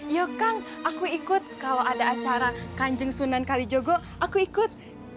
yuk kang aku ikut kalau ada acara kanjeng sunan kalijogo aku ikut